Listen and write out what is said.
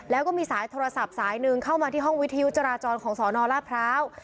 แล้วก็มีสายโทรศัพท์สายหนึ่งเข้ามาที่ห้องวิทยุจราจรของสนราชพร้าว